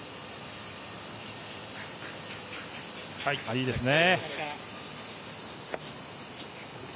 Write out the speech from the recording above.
いいですね。